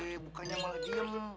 eh bukannya malah diam